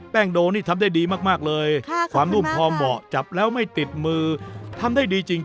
โดนี่ทำได้ดีมากเลยความนุ่มพอเหมาะจับแล้วไม่ติดมือทำได้ดีจริง